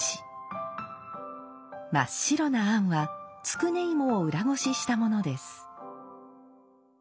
真っ白な餡はつくね芋を裏ごししたものです。